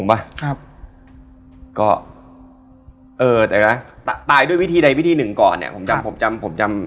บ๊วยบ๊วยบ๊วยบ๊วยบ๊วยบ๊วยบ๊วยบ๊วยพูดก่อนหมดเลยพูดก่อนหมดเลยงงป่ะ